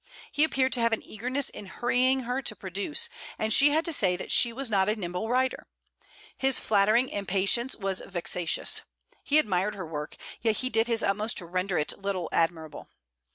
He appeared to have an eagerness in hurrying her to produce, and she had to say that she was not a nimble writer. His flattering impatience was vexatious. He admired her work, yet he did his utmost to render it little admirable.